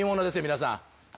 皆さん。